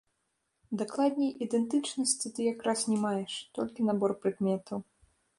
Дакладней, ідэнтычнасці ты якраз не маеш, толькі набор прыкметаў.